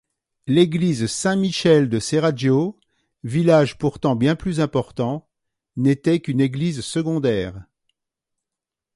L'église Saint-Michel de Serraggio, village pourtant bien plus important, n'était qu'une église secondaire.